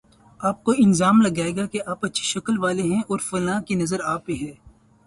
اب کوئی الزام لگائے کہ آپ اچھی شکل والے ہیں اور فلاں کی نظر آپ پہ ہے۔